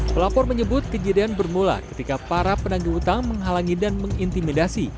pelapor menyebut kejadian bermula ketika para penagih utang menghalangi dan mengintimidasi